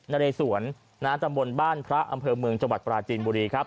ในเรสวนตำบลบ้านพระอำเภอเมืองจังหวัดปราจีนบุรีครับ